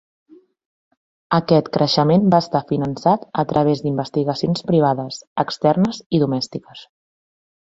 Aquest creixement va estar finançat a través d'investigacions privades, externes i domèstiques.